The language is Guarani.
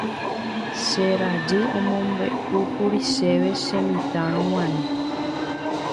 Che jarýi omombe'úkuri chéve chemitãrõguare